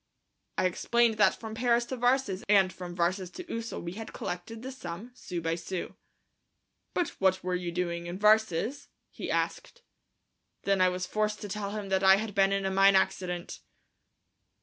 I explained that from Paris to Varses and from Varses to Ussel we had collected this sum, sou by sou. "But what were you doing in Varses?" he asked. Then I was forced to tell him that I had been in a mine accident.